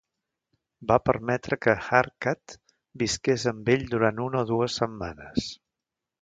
Va permetre que Harkat visqués amb ell durant una o dues setmanes.